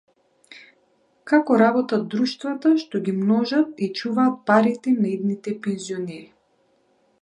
Како работат друштвата што ги множат и чуваат парите на идните пензионери